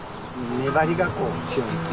粘りがこう強い。